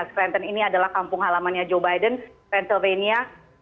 scranton ini adalah kampung halamannya joe biden pennsylvania